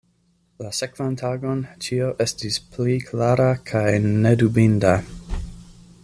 La sekvan tagon ĉio estis pli klara kaj nedubinda.